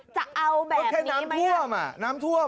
แค่น้ำท่วม